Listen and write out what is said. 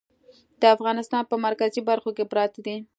د افغانستان په مرکزي برخو کې پراته دي.